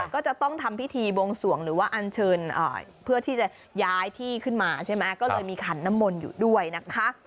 ก็จะต้องทำพิธีบวงสวงหรือว่าอันเชิญเพื่อที่จะย้ายที่ขึ้นมาใช่ไหมก็เลยมีขันน้ำมนต์อยู่ด้วยนะคะ